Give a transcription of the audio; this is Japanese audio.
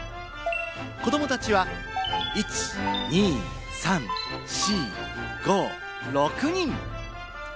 子供たちは１、２、３、４、５、６人！